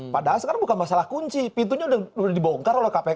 padahal sekarang bukan masalah kunci pintunya sudah dibongkar oleh kpk